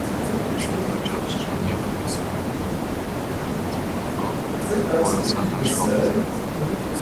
Շատ հաճախ ժանյակը հյուսվում է նախօրոք նկարված օրինակով՝ քորոցանախշով։